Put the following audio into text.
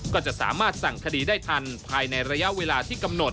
ก็จะสามารถสั่งคดีได้ทันภายในระยะเวลาที่กำหนด